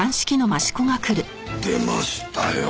出ましたよ。